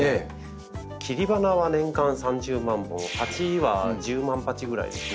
切り花は年間３０万本鉢は１０万鉢ぐらいですね。